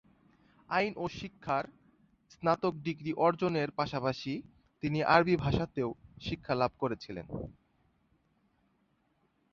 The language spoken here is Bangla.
আইন ও শিক্ষার স্নাতক ডিগ্রি অর্জনের পাশাপাশি তিনি আরবি ভাষাতেও শিক্ষা লাভ করেছিলেন।